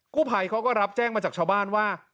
ผู้ภัยเขาก็รับแจ้งมาจากชาวบ้านว่า